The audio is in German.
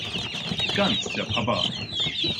Ganz der Papa!